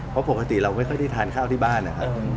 เพราะปกติเราไม่ค่อยได้ทานข้าวที่บ้านนะครับ